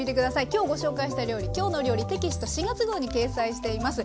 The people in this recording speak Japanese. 今日ご紹介した料理「きょうの料理」テキスト４月号に掲載しています。